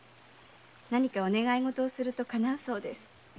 何かお願いごとをすると叶うそうです。